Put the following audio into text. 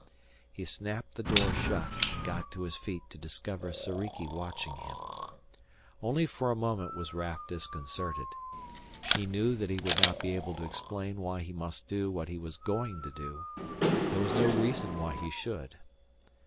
He snapped the door shut and got to his feet to discover Soriki watching him. Only for a moment was Raf disconcerted. He knew that he would not be able to explain why he must do what he was going to do. There was no reason why he should.